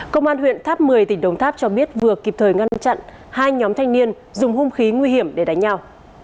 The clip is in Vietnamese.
công an huyện tháp một mươi tỉnh đồng tháp cho biết vừa kịp thời ngăn chặn hai nhóm thanh niên dùng hung khí nguy hiểm để đánh nhau